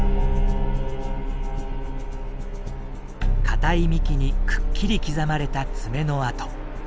堅い幹にくっきり刻まれた爪の跡。